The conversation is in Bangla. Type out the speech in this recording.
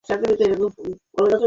দুটো লার্জ চিকেন তান্দুরি পিজ্জা।